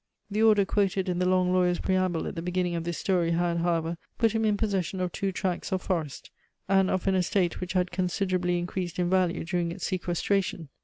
The order quoted in the long lawyer's preamble at the beginning of this story had, however, put him in possession of two tracts of forest, and of an estate which had considerably increased in value during its sequestration.